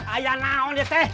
ayanah oh deteh